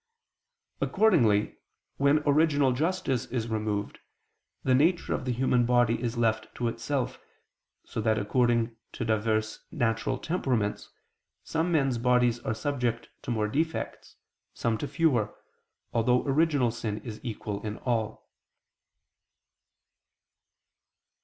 Accordingly, when original justice is removed, the nature of the human body is left to itself, so that according to diverse natural temperaments, some men's bodies are subject to more defects, some to fewer, although original sin is equal in all.